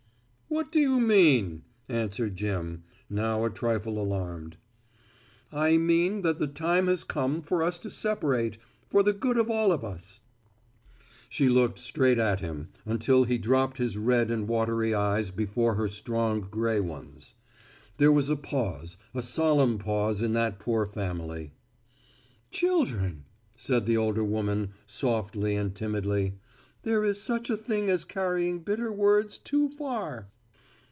"What do you mean!" answered Jim, now a trifle alarmed. "I mean that the time has come for us to separate, for the good of all of us." She looked straight at him, until he dropped his red and watery eyes before her strong gray ones. There was a pause, a solemn pause in that poor family. "Children," said the older woman softly and timidly, "there is such a thing as carrying bitter words too far."